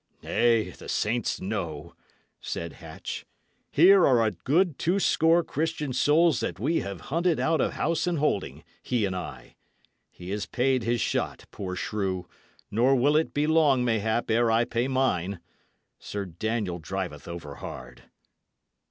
"Nay, the saints know," said Hatch. "Here are a good two score Christian souls that we have hunted out of house and holding, he and I. He has paid his shot, poor shrew, nor will it be long, mayhap, ere I pay mine. Sir Daniel driveth over hard."